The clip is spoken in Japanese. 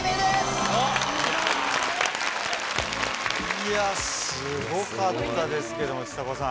いやすごかったですけどもちさ子さん